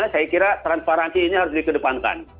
saya kira transparansi ini harus dikedepankan